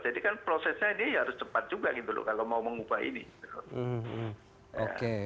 jadi kan prosesnya dia harus cepat juga gitu loh kalau mau mengubah ini